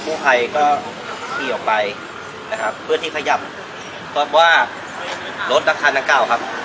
ผู้ไพรก็ขี่ออกไปนะครับเพื่อที่พยับเพราะว่ารถนักคันนักเก่าครับ